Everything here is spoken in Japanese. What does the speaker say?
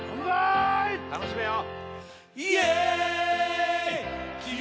・楽しめよ！